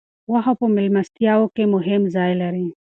غوښه په میلمستیاوو کې مهم ځای لري.